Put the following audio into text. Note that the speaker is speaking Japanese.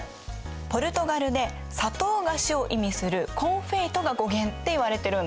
ポルトガルで砂糖菓子を意味する「コンフェイト」が語源って言われてるんだよ。